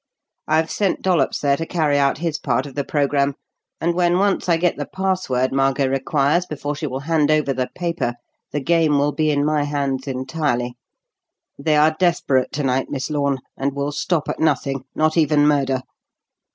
I've sent Dollops there to carry out his part of the programme, and when once I get the password Margot requires before she will hand over the paper, the game will be in my hands entirely. They are desperate to night, Miss Lorne, and will stop at nothing not even murder.